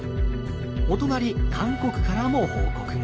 お隣韓国からも報告が。